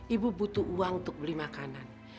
ibu butuh uang untuk beli makanan